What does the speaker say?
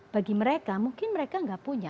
bagi mereka mungkin mereka nggak punya